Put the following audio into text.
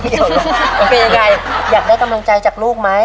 มันเป็นยังไงอยากได้กำลังใจจากลูกไหม